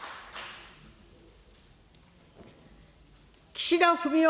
岸田文雄